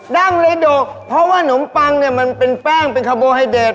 ดั่งเลยโดกเพราะว่านมปังมันเป็นแป้งเป็นคาร์โบไฮเดรต